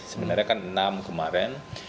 sebenarnya kan enam kemarin